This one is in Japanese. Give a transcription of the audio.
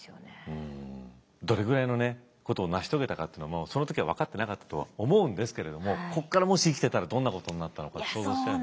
どれぐらいのことを成し遂げたかっていうのもその時は分かってなかったとは思うんですけれどもここからもし生きてたらどんなことになったのか想像しちゃうね。